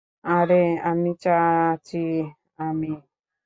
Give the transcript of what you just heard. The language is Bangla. আরে আমি চাচী, আমি।